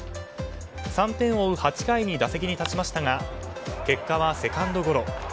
３点を追う８回に打席に立ちましたが結果はセカンドゴロ。